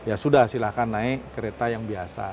ya sudah silahkan naik kereta yang biasa